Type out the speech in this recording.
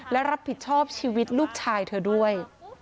และรับผิดชอบชีวิตลูกชายเธอด้วย